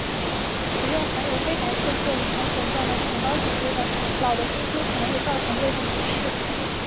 食用含有非白色或已成粉状的产孢组织的老的菌株可能会造成胃部不适。